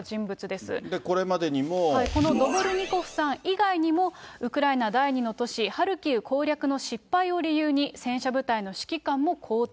このドボルニコフさん以外にも、ウクライナ第２の都市ハルキウ攻略の失敗を理由に、戦車部隊の指揮官も更迭。